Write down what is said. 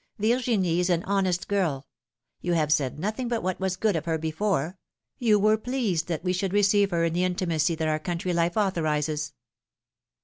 Virginie is an honest girl ; you have said nothing but what was good of her before ; you were pleased that we should receive her here in the intimacy that our country life authorizes."